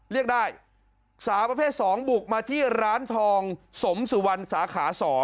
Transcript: เรียกได้สาวประเภท๒บุกมาที่ร้านทองสมสุวรรณสาขา๒